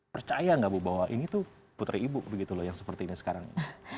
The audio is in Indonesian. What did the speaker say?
percaya nggak bu bahwa ini tuh putri ibu begitu loh yang seperti ini sekarang